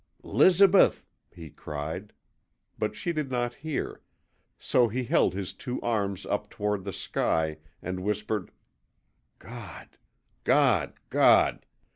''Lizabeth!' he cried; but she did not hear, so he held his two arms up toward the sky and whispered, 'God, God, God!